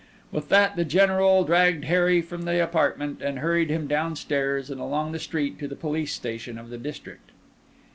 With that, the General dragged Harry from the apartment, and hurried him downstairs and along the street to the police station of the district.